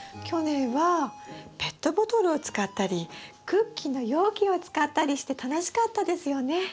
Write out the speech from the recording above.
去年はペットボトルを使ったりクッキーの容器を使ったりして楽しかったですよね。